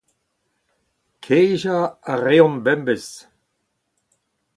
Kejañ a reont bemdez.